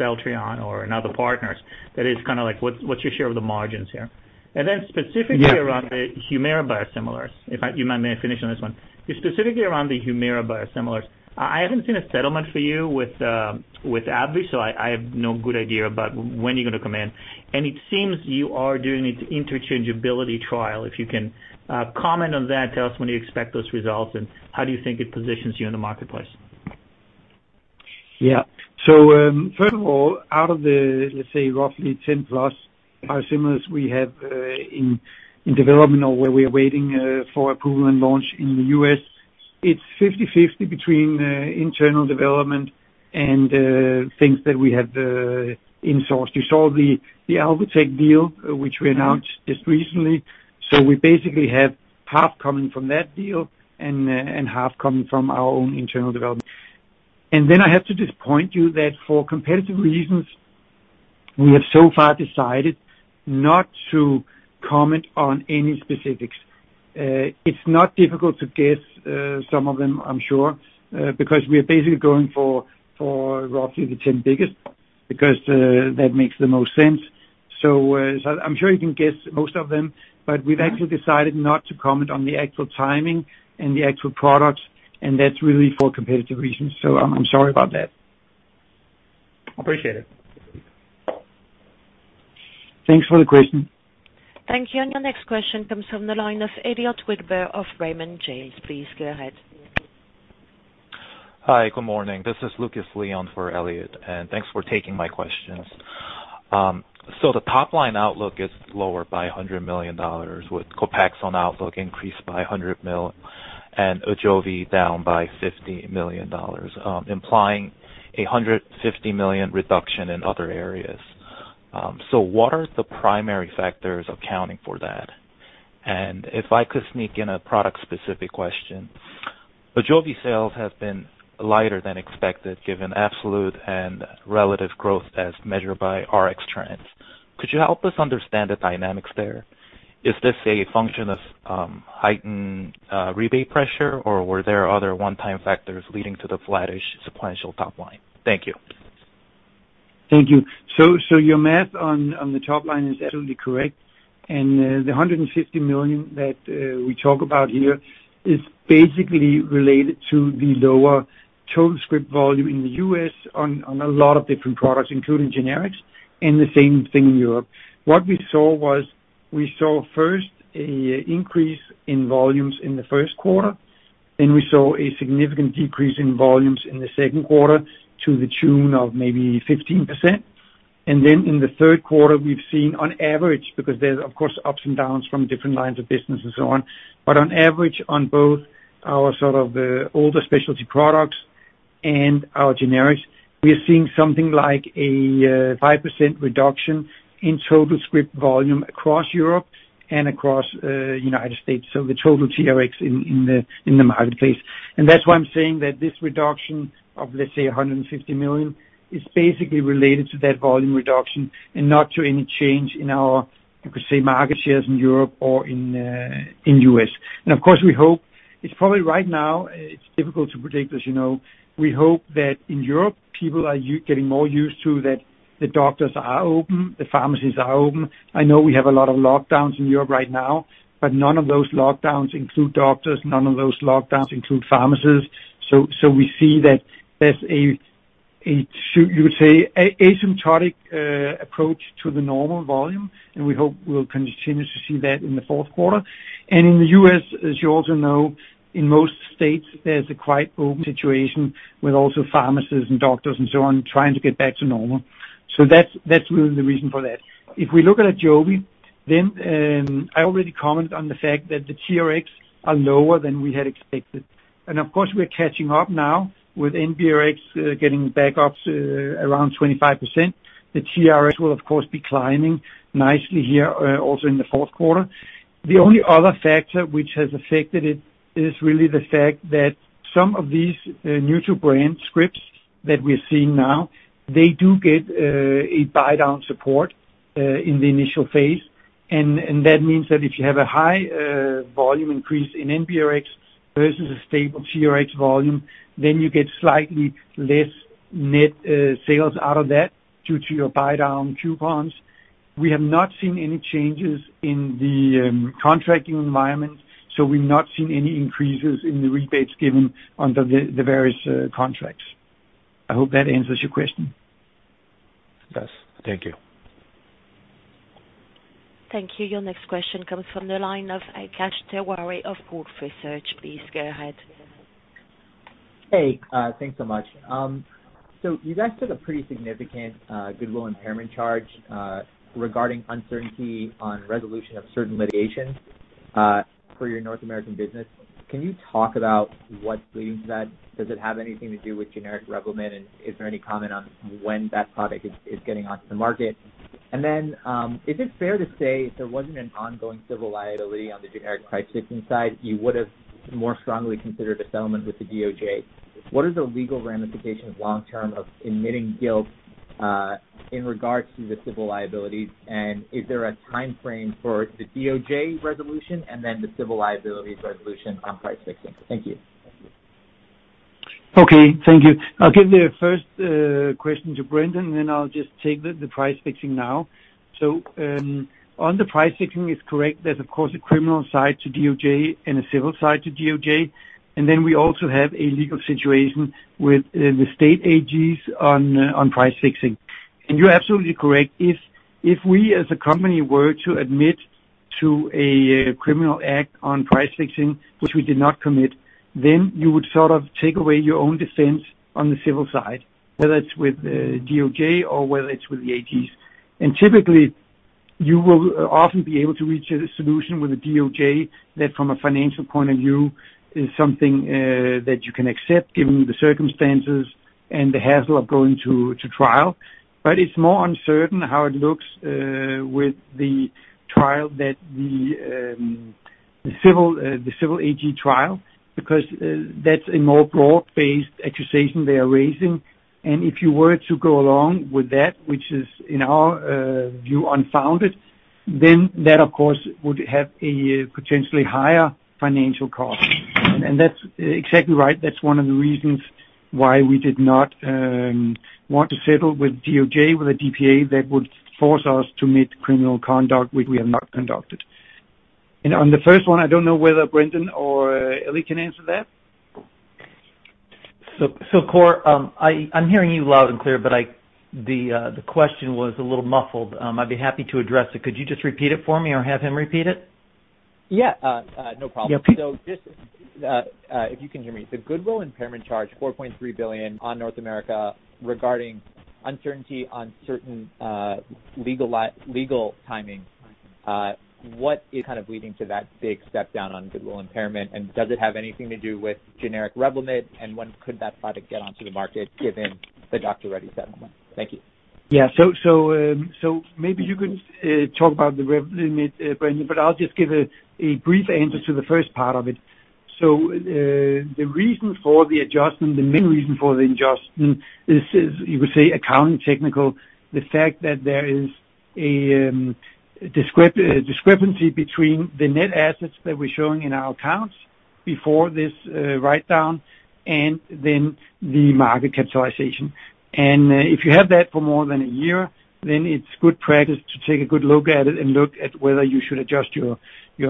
Celltrion or other partners? That is kind of like, what's your share of the margins here? Then specifically around the Humira biosimilars, if you mind me finishing this one. Specifically around the Humira biosimilars, I haven't seen a settlement for you with AbbVie, so I have no good idea about when you're going to come in. It seems you are doing its interchangeability trial. If you can comment on that, tell us when you expect those results, and how do you think it positions you in the marketplace? Yeah. First of all, out of the, let's say, roughly 10 plus biosimilars we have in development or where we are waiting for approval and launch in the U.S., it's 50/50 between internal development and things that we have in-sourced. You saw the Alvotech deal, which we announced just recently. We basically have half coming from that deal and half coming from our own internal development. I have to disappoint you that for competitive reasons, we have so far decided not to comment on any specifics. It's not difficult to guess some of them, I'm sure, because we are basically going for roughly the 10 biggest, because that makes the most sense. I'm sure you can guess most of them, we've actually decided not to comment on the actual timing and the actual products, that's really for competitive reasons. I'm sorry about that. Appreciate it. Thanks for the question. Thank you. Your next question comes from the line of Elliot Wilbur of Raymond James. Please go ahead. Hi. Good morning. This is Lucas Leon for Elliot, thanks for taking my questions. The top-line outlook is lower by $100 million, with Copaxone outlook increased by $100 million and AJOVY down by $50 million, implying $150 million reduction in other areas. What are the primary factors accounting for that? If I could sneak in a product-specific question. AJOVY sales have been lighter than expected, given absolute and relative growth as measured by Rx trends. Could you help us understand the dynamics there? Is this a function of heightened rebate pressure, or were there other one-time factors leading to the flattish sequential top line? Thank you. Thank you. Your math on the top line is absolutely correct. The $150 million that we talk about here is basically related to the lower total script volume in the U.S. on a lot of different products, including generics, and the same thing in Europe. What we saw was, we saw first a increase in volumes in the Q1. We saw a significant decrease in volumes in the Q2 to the tune of maybe 15%. In the Q3, we've seen on average, because there's, of course, ups and downs from different lines of business and so on, but on average, on both our sort of older specialty products and our generics, we are seeing something like a 5% reduction in total script volume across Europe and across United States, the total TRx in the marketplace. That's why I'm saying that this reduction of, let's say, $150 million, is basically related to that volume reduction and not to any change in our, you could say, market shares in Europe or in the U.S. Of course, we hope it's probably right now, it's difficult to predict, as you know. We hope that in Europe, people are getting more used to that the doctors are open, the pharmacies are open. I know we have a lot of lockdowns in Europe right now, but none of those lockdowns include doctors. None of those lockdowns include pharmacies. We see that there's a, you would say, asymptotic approach to the normal volume, and we hope we'll continue to see that in the Q4. In the U.S., as you also know, in most states, there's a quite open situation with also pharmacies and doctors and so on trying to get back to normal. That's really the reason for that. If we look at AJOVY, I already commented on the fact that the TRx are lower than we had expected. Of course, we're catching up now with NRx getting back up to around 25%. The TRx will, of course, be climbing nicely here also in the Q4. The only other factor which has affected it is really the fact that some of these new-to-brand scripts that we're seeing now, they do get a buydown support, in the initial phase. That means that if you have a high volume increase in NRx versus a stable TRx volume, then you get slightly less net sales out of that due to your buydown coupons. We have not seen any changes in the contracting environment, so we've not seen any increases in the rebates given on the various contracts. I hope that answers your question. It does. Thank you. Thank you. Your next question comes from the line of Akash Tewari of Wolfe Research. Please go ahead. Hey, thanks so much. You guys took a pretty significant goodwill impairment charge regarding uncertainty on resolution of certain litigations for your North American business. Can you talk about what's leading to that? Does it have anything to do with generic Revlimid, is there any comment on when that product is getting onto the market? Is it fair to say if there wasn't an ongoing civil liability on the generic price fixing side, you would've more strongly considered a settlement with the DOJ? What is the legal ramification of long-term of admitting guilt, in regards to the civil liabilities, is there a timeframe for the DOJ resolution and the civil liabilities resolution on price fixing? Thank you. Okay. Thank you. I'll give the first question to Brendan. I'll just take the price fixing now. On the price fixing, it's correct. There's, of course, a criminal side to DOJ and a civil side to DOJ. We also have a legal situation with the state AGs on price fixing. You're absolutely correct. If we, as a company, were to admit to a criminal act on price fixing, which we did not commit, you would sort of take away your own defense on the civil side, whether it's with DOJ or whether it's with the AGs. Typically, you will often be able to reach a solution with the DOJ that, from a financial point of view, is something that you can accept given the circumstances and the hassle of going to trial. It's more uncertain how it looks with the civil AG trial, because that's a more broad-based accusation they are raising. If you were to go along with that, which is in our view, unfounded, then that, of course, would have a potentially higher financial cost. That's exactly right. That's one of the reasons why we did not want to settle with DOJ, with a DPA that would force us to admit criminal conduct, which we have not conducted. On the first one, I don't know whether Brendan or Eli can answer that. Kåre, I'm hearing you loud and clear, but the question was a little muffled. I'd be happy to address it. Could you just repeat it for me or have him repeat it? Yeah. No problem. Yeah. If you can hear me, the goodwill impairment charge, $4.3 billion on North America regarding uncertainty on certain legal timing, what is kind of leading to that big step down on goodwill impairment, and does it have anything to do with generic Revlimid, and when could that product get onto the market given the Dr. Reddy's settlement? Thank you. Yeah. Maybe you could talk about the Revlimid, Brendan, but I'll just give a brief answer to the first part of it. The reason for the adjustment, the main reason for the adjustment is, you could say, accounting technical, the fact that there is a discrepancy between the net assets that we're showing in our accounts before this write-down and then the market capitalization. If you have that for more than a year, then it's good practice to take a good look at it and look at whether you should adjust your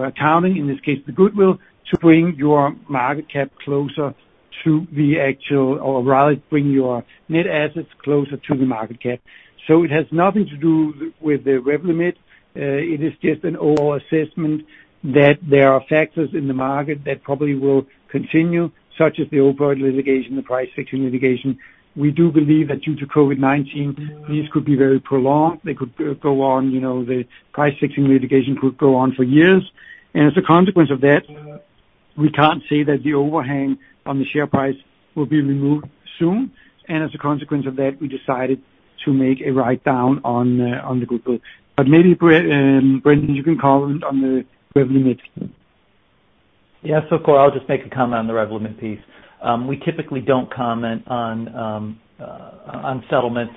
accounting, in this case, the goodwill, to bring your market cap closer to the actual, or rather bring your net assets closer to the market cap. It has nothing to do with the Revlimid. It is just an overall assessment that there are factors in the market that probably will continue, such as the opioid litigation, the price fixing litigation. We do believe that due to COVID-19, these could be very prolonged. The price fixing litigation could go on for years. As a consequence of that, we can't say that the overhang on the share price will be removed soon. As a consequence of that, we decided to make a write-down on the good book. But maybe, Brendan, you can comment on the Revlimid piece. Kåre, I'll just make a comment on the Revlimid piece. We typically don't comment on settlements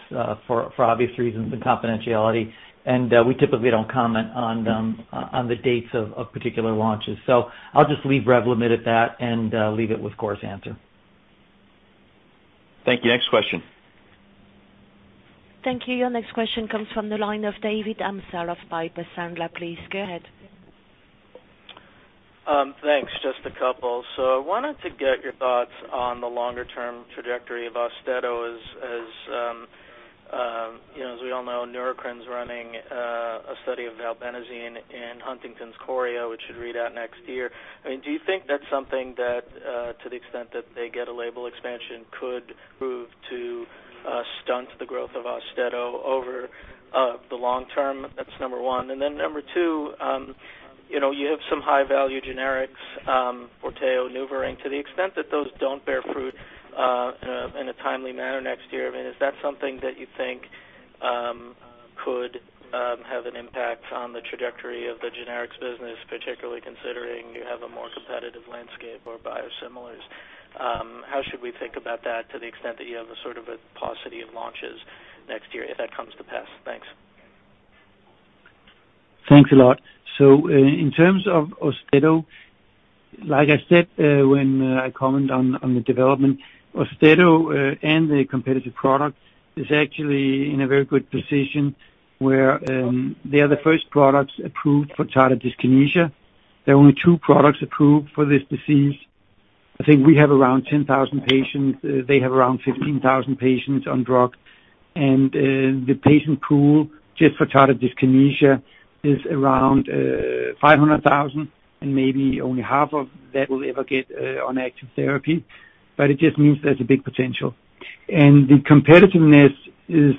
for obvious reasons and confidentiality, and we typically don't comment on the dates of particular launches. I'll just leave Revlimid at that and leave it with Kåre's answer. Thank you. Next question. Thank you. Your next question comes from the line of David Amsellem of Piper Sandler. Please go ahead. Thanks. Just a couple. I wanted to get your thoughts on the longer-term trajectory of AUSTEDO. As we all know, Neurocrine's running a study of valbenazine in Huntington's chorea, which should read out next year. Do you think that's something that, to the extent that they get a label expansion, could prove to stunt the growth of AUSTEDO over the long term? That's number one. Number two, you have some high-value generics, FORTEO and NuvaRing. To the extent that those don't bear fruit in a timely manner next year, is that something that you think could have an impact on the trajectory of the generics business, particularly considering you have a more competitive landscape for biosimilars? How should we think about that to the extent that you have a sort of a paucity of launches next year if that comes to pass? Thanks. Thanks a lot. In terms of AUSTEDO, like I said when I comment on the development, AUSTEDO and the competitive product is actually in a very good position where they are the first products approved for tardive dyskinesia. There are only two products approved for this disease. I think we have around 10,000 patients. They have around 15,000 patients on drug. The patient pool just for tardive dyskinesia is around 500,000, and maybe only half of that will ever get on active therapy. It just means there's a big potential. The competitiveness is,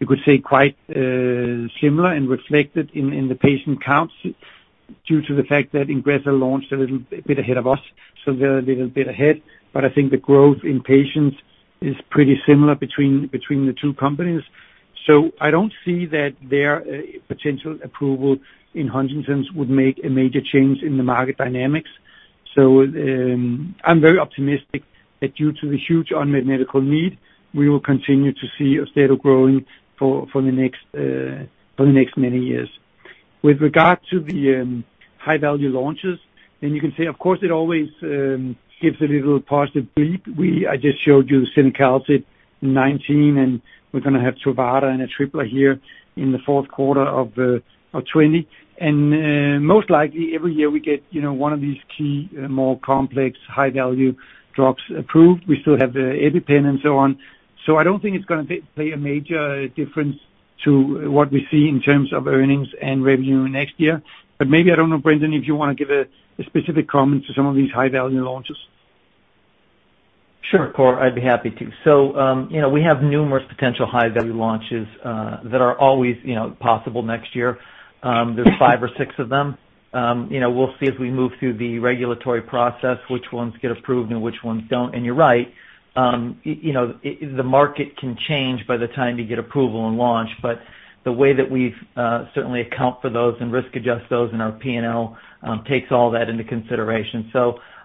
you could say, quite similar and reflected in the patient counts due to the fact that INGREZZA launched a little bit ahead of us. They're a little bit ahead, but I think the growth in patients is pretty similar between the two companies. I don't see that their potential approval in Huntington's would make a major change in the market dynamics. I'm very optimistic that due to the huge unmet medical need, we will continue to see AUSTEDO growing for the next many years. With regard to the high-value launches, and you can say, of course it always gives a little positive bleep. I just showed you cinacalcet in 2019, and we're going to have Truvada and Atripla here in the Q4 of 2020. Most likely every year we get one of these key, more complex high-value drugs approved. We still have the EpiPen and so on. I don't think it's going to play a major difference to what we see in terms of earnings and revenue next year. Maybe, I don't know, Brendan, if you want to give a specific comment to some of these high-value launches. Sure, Kåre, I'd be happy to. We have numerous potential high-value launches that are always possible next year. There's five or six of them. We'll see as we move through the regulatory process which ones get approved and which ones don't. You're right, the market can change by the time you get approval and launch. The way that we certainly account for those and risk adjust those in our P&L takes all that into consideration.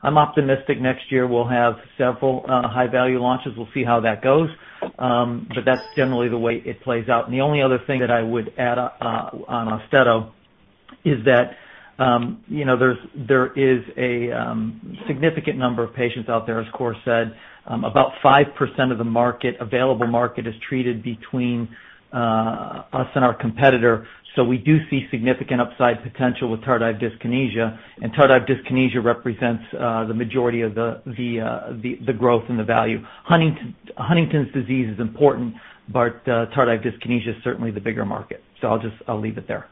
I'm optimistic next year we'll have several high-value launches. We'll see how that goes. That's generally the way it plays out. The only other thing that I would add on AUSTEDO is that there is a significant number of patients out there, as Kåre said. About 5% of the available market is treated between us and our competitor. We do see significant upside potential with tardive dyskinesia, and tardive dyskinesia represents the majority of the growth and the value. Huntington's disease is important, but tardive dyskinesia is certainly the bigger market. I'll leave it there.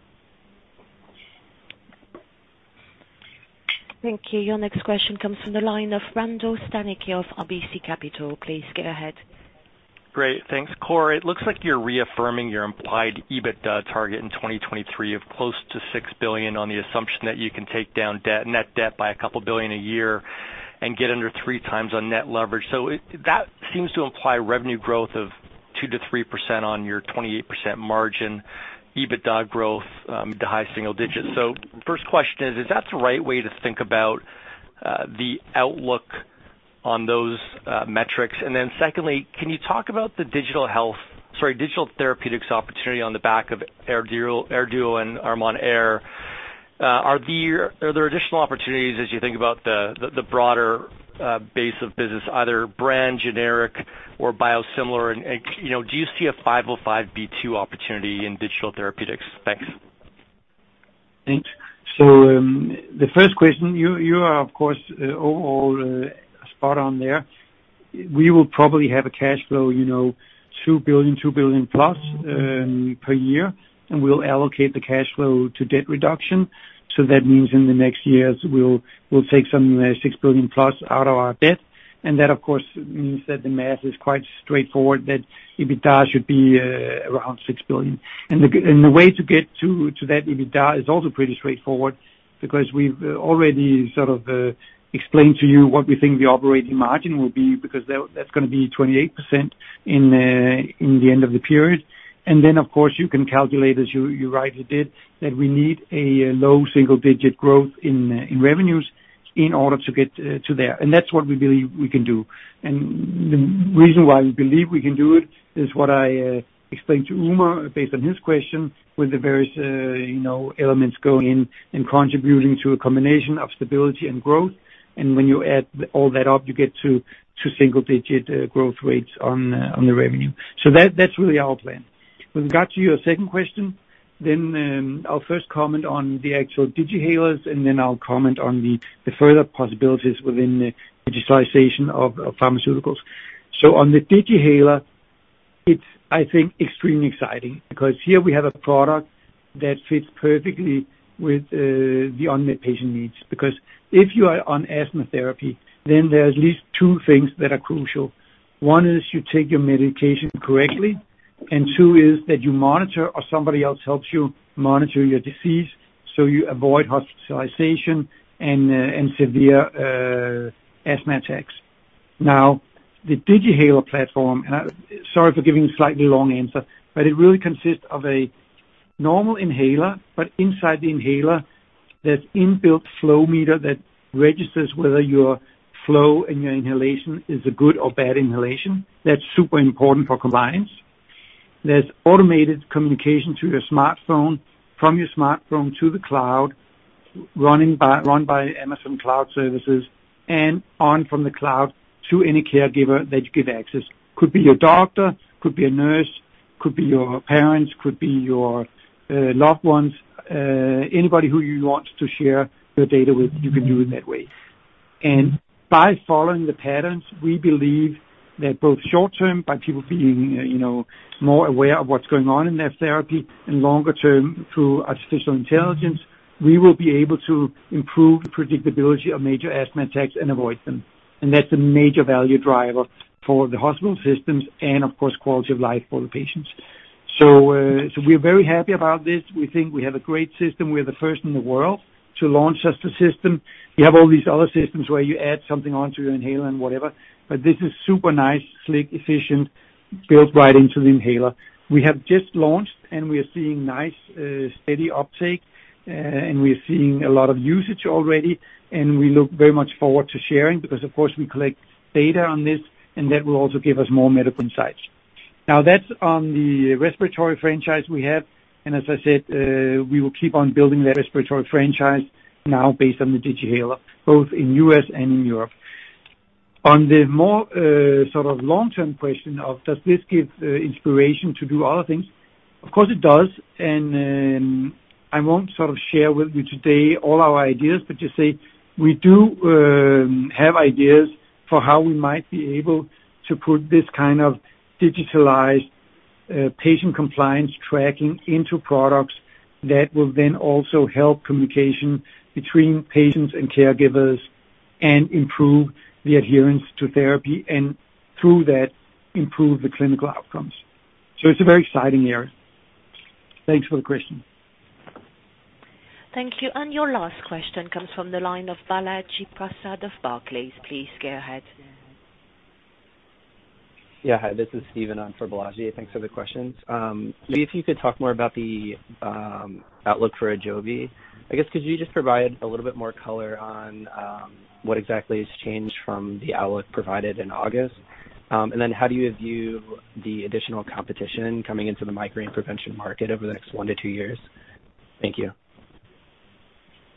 Thank you. Your next question comes from the line of Randall Stanicky of RBC Capital. Please go ahead. Great. Thanks. Kåre, it looks like you're reaffirming your implied EBITDA target in 2023 of close to $6 billion on the assumption that you can take down net debt by $2 billion a year and get under three times on net leverage. That seems to imply revenue growth of 2%-3% on your 28% margin, EBITDA growth to high single digits. First question is that the right way to think about the outlook on those metrics? Then secondly, can you talk about the digital therapeutics opportunity on the back of AirDuo and ArmonAir? Are there additional opportunities as you think about the broader base of business, either brand, generic or biosimilar? Do you see a 505(b)(2) opportunity in digital therapeutics? Thanks. Thanks. The first question, you are of course overall spot on there. We will probably have a cash flow $2 billion, $2 billion plus per year, and we'll allocate the cash flow to debt reduction. That means in the next years, we'll take some $6 billion plus out of our debt. That of course means that the math is quite straightforward, that EBITDA should be around $6 billion. The way to get to that EBITDA is also pretty straightforward because we've already sort of explained to you what we think the operating margin will be, because that's going to be 28% in the end of the period. Of course you can calculate, as you rightly did, that we need a low single-digit growth in revenues in order to get to there. That's what we believe we can do. The reason why we believe we can do it is what I explained to Umer based on his question with the various elements going in and contributing to a combination of stability and growth. When you add all that up, you get to single digit growth rates on the revenue. That's really our plan. With regard to your second question, I'll first comment on the actual Digihalers, and then I'll comment on the further possibilities within the digitalization of pharmaceuticals. On the Digihaler, it's I think extremely exciting because here we have a product that fits perfectly with the unmet patient needs. Because if you are on asthma therapy, then there's at least two things that are crucial. One is you take your medication correctly. Two is that you monitor or somebody else helps you monitor your disease so you avoid hospitalization and severe asthma attacks. Now, the Digihaler platform, sorry for giving a slightly long answer, it really consists of a normal inhaler, but inside the inhaler there's inbuilt flow meter that registers whether your flow and your inhalation is a good or bad inhalation. That's super important for compliance. There's automated communication to your smartphone, from your smartphone to the cloud, run by Amazon Web Services, on from the cloud to any caregiver that you give access. Could be your doctor, could be a nurse, could be your parents, could be your loved ones, anybody who you want to share your data with, you can do it that way. By following the patterns, we believe that both short term, by people being more aware of what's going on in their therapy, and longer term through artificial intelligence, we will be able to improve the predictability of major asthma attacks and avoid them. That's a major value driver for the hospital systems and of course quality of life for the patients. We're very happy about this. We think we have a great system. We are the first in the world to launch such a system. You have all these other systems where you add something onto your inhaler and whatever, but this is super nice, sleek, efficient, built right into the inhaler. We have just launched and we are seeing nice, steady uptake, and we are seeing a lot of usage already, and we look very much forward to sharing because of course we collect data on this and that will also give us more medical insights. That's on the respiratory franchise we have, and as I said, we will keep on building that respiratory franchise now based on the Digihaler, both in U.S. and in Europe. On the more sort of long-term question of does this give inspiration to do other things? Of course it does, and I won't sort of share with you today all our ideas, but just say we do have ideas for how we might be able to put this kind of digitalized patient compliance tracking into products that will then also help communication between patients and caregivers and improve the adherence to therapy and through that improve the clinical outcomes. It's a very exciting area. Thanks for the question. Thank you. Your last question comes from the line of Balaji Prasad of Barclays. Please go ahead. Yeah. Hi, this is Steven on for Balaji. Thanks for the questions. Maybe if you could talk more about the outlook for AJOVY. I guess could you just provide a little bit more color on what exactly has changed from the outlook provided in August? How do you view the additional competition coming into the migraine prevention market over the next one to two years? Thank you.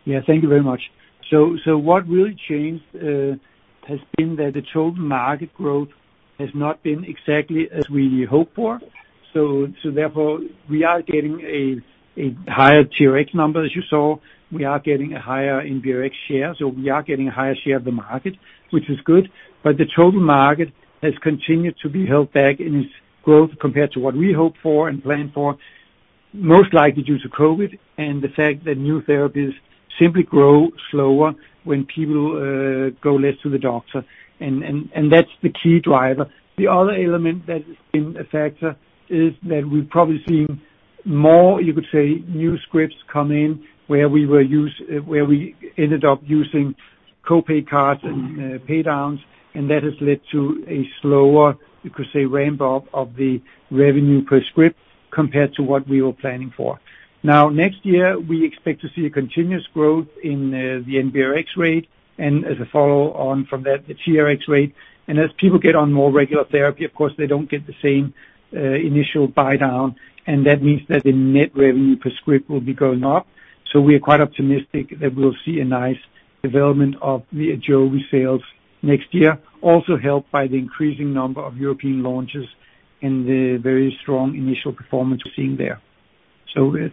Yeah, thank you very much. What really changed has been that the total market growth has not been exactly as we hoped for. Therefore, we are getting a higher TRx number as you saw. We are getting a higher NBRx share, so we are getting a higher share of the market, which is good. The total market has continued to be held back in its growth compared to what we hoped for and planned for, most likely due to COVID and the fact that new therapies simply grow slower when people go less to the doctor. That's the key driver. The other element that has been a factor is that we've probably seen more, you could say, new scripts come in where we ended up using co-pay cards and pay downs, and that has led to a slower, you could say, ramp up of the revenue per script compared to what we were planning for. Next year we expect to see a continuous growth in the NBRx rate and as a follow on from that, the TRx rate. As people get on more regular therapy, of course they don't get the same initial buydown, and that means that the net revenue per script will be going up. We are quite optimistic that we'll see a nice development of the AJOVY sales next year, also helped by the increasing number of European launches and the very strong initial performance we're seeing there.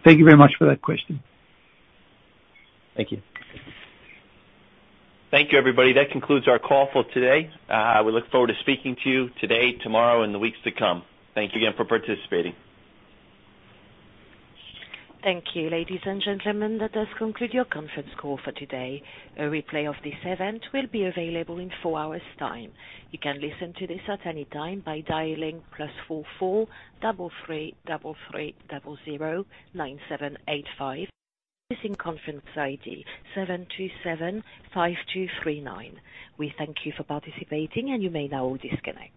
Thank you very much for that question. Thank you. Thank you everybody. That concludes our call for today. We look forward to speaking to you today, tomorrow, and the weeks to come. Thank you again for participating. Thank you, ladies and gentlemen, that does conclude your conference call for today. A replay of this event will be available in four hours time. You can listen to this at any time by dialing plus four four double three double three double zero nine seven eight five using conference ID seven two seven five two three nine. We thank you for participating and you may now disconnect.